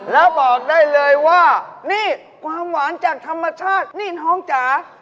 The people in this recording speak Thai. แล้วบอกได้เลยว่านี่ความหวานจากธรรมชาตินี่น้องจ๋า